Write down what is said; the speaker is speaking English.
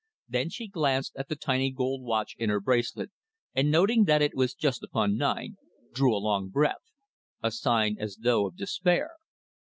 Then she glanced at the tiny gold watch in her bracelet, and noting that it was just upon nine, drew a long breath a sigh as though of despair.